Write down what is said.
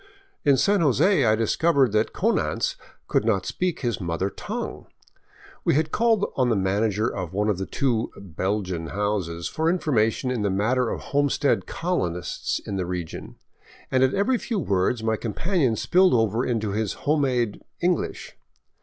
In San Jose I discovered that Konanz could not speak his mother tongue. We had called on the manager of one of the two " Belgian " houses for information in the matter of homestead colonists in the region, and at every few words my companion spilled over into his home made " English."